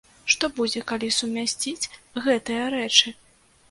Што будзе, калі сумясціць гэтыя рэчы?